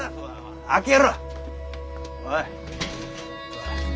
開けろ。